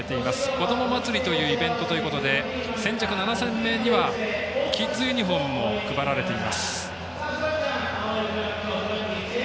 こどもまつりというイベントということで先着７０００名にはＫＩＤＳユニフォームも配られています。